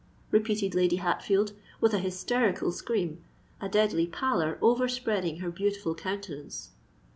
repeated Lady Hatfield, with an hysterical scream, a deadly pallor overspreading her beautiful countenance.